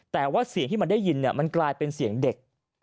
แต่ว่าเสียงที่มันได้ยินมันกลายเป็นเสียงเด็ก